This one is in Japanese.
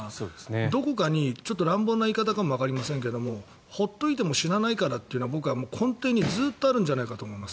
どこかに乱暴な言い方かもわかりませんが放っておいても死なないからっていうのが根底にずっとあるんじゃないかと思います。